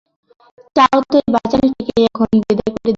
চাও তো, এই বাচালটিকে এখনই বিদায় করে দিই।